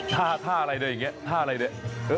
ท่าอะไรอย่างนี้